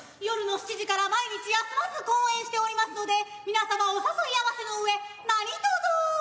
夜の７時から毎日休まず公演しておりますので皆様お誘い合わせのうえ何とぞ。